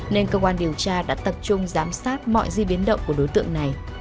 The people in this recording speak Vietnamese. nên cơ quan điều tra đã tập trung giám sát mọi di biến động của đối tượng này